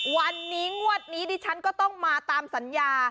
วันนี้งวดนี้ดิฉันก็ต้องมาตามสัญญา